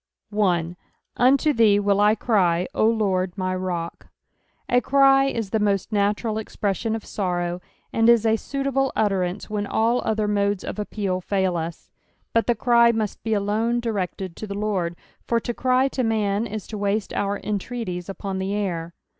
1. " Unto thee will I ery, 0 Lord my rod." — A cry is the natural expreSBiun of BorroiT, and is a suitable utterance when all other modea of appeal tail us ; but the cry muat be alone directed to the Lord, for to cry to man is to waste our entreaties upon the air.